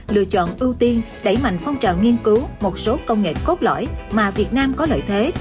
lựa chọn ưu tiên đẩy mạnh phong trào nghiên cứu một số công nghệ cốt lõi mà việt nam có lợi thế